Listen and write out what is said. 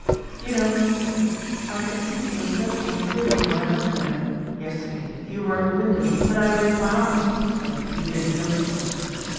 "You know," said he, "I can see the Hotel Boncoeur when I'm up there. Yesterday you were at the window, and I waved my arms, but you didn't notice me."